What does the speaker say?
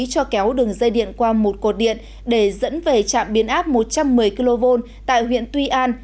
cho kéo đường dây điện qua một cột điện để dẫn về trạm biến áp một trăm một mươi kv tại huyện tuy an